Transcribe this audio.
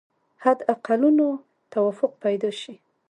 حد اقلونو توافق پیدا شي.